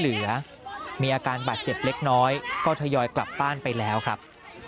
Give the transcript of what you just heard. เหลือมีอาการบาดเจ็บเล็กน้อยก็ทยอยกลับบ้านไปแล้วครับ